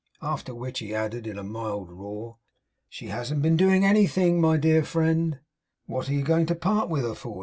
After which he added, in a mild roar: 'She hasn't been doing anything, my dear friend.' 'What are you going to part with her for?